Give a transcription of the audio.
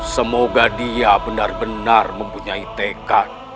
semoga dia benar benar mempunyai tekad